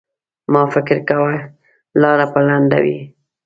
ما فکر کاوه لاره به لنډه وي.